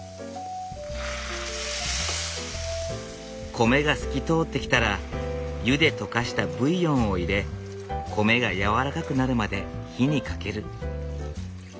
米が透き通ってきたら湯で溶かしたブイヨンを入れ米がやわらかくなるまで火にかける。